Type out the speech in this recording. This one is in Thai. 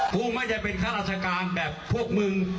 พวกไม่ได้เป็นข้าราชการแบบพวกมึง